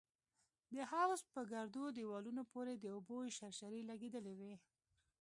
د حوض په ګردو دېوالونو پورې د اوبو شرشرې لگېدلې وې.